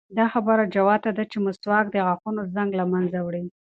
دا خبره جوته ده چې مسواک د غاښونو زنګ له منځه وړي.